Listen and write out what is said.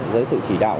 dưới sự chỉ đạo